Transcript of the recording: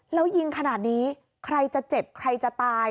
แล้วยิงขนาดนี้ใครจะเจ็บใครจะตาย